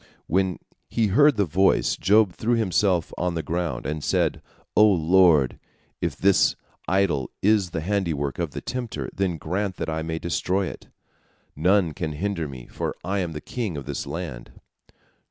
When he heard the voice, Job threw himself on the ground, and said: "O Lord, if this idol is the handiwork of the tempter, then grant that I may destroy it. None can hinder me, for I am the king of this land."